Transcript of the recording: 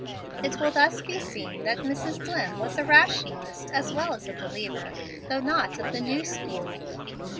It will thus be seen that Mrs. Dlimm was a rationalist as well as a believer, though not of the new school.